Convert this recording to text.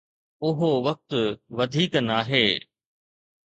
اهو وقت وڌيڪ ناهي.